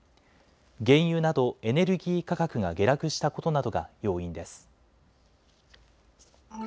原油などエネルギー価格が下落したことなどが要因です。